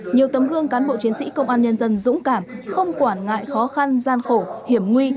nhiều tấm gương cán bộ chiến sĩ công an nhân dân dũng cảm không quản ngại khó khăn gian khổ hiểm nguy